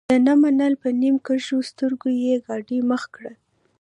ده نه منله په نیم کښو سترګو یې ګاډۍ مخ کړه.